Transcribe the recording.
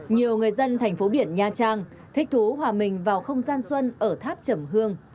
nhiều người dân thành phố biển nha trang thích thú hòa mình vào không gian xuân ở tháp chầm hương